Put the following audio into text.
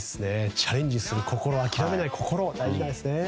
チャレンジする心、諦めない心大事ですね。